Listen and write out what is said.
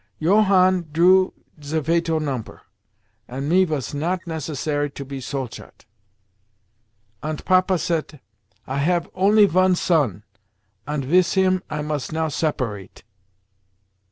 Johann drew ze fatal nomper, and me vas not necessary to pe Soldat. Ant Papa sayt, 'I have only vun son, ant wis him I must now separate!